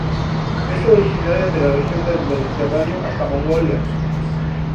Es originaria de la región del Mediterráneo hasta Mongolia.